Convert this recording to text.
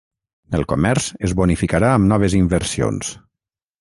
El comerç es bonificarà amb noves inversions.